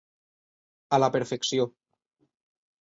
A la perfecció.